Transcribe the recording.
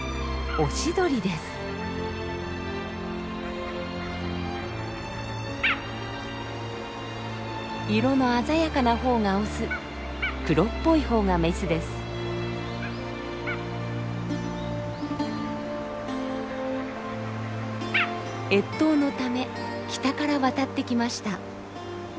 越冬のため北から渡ってきました。